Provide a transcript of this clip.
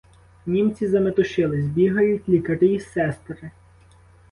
Німці заметушились, бігають лікарі, сестри.